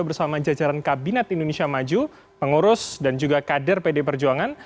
bersama jajaran kabinet indonesia maju pengurus dan juga kader pd perjuangan